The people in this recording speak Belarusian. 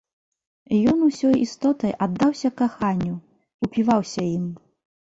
Ён усёй істотай аддаўся каханню, упіваўся ім.